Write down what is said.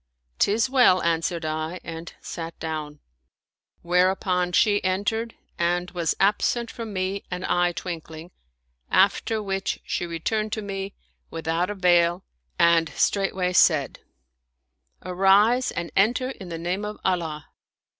" 'Tis well," answered I and sat down : whereupon she entered and was absent from me an eye twinkling, after which she returned to me, without a veil, and straightway said, " Arise and enter in the name of Allah."